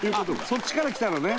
そっちからきたのね。